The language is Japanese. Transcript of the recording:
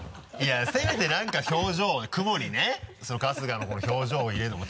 せめてなんか表情を雲にね春日の表情を入れるとか。